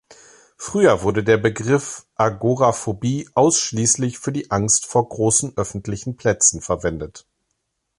Früher wurde der Begriff "Agoraphobie" ausschließlich für die Angst vor großen öffentlichen Plätzen verwendet.